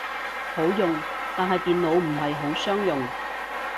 好用，但係電腦唔係好相容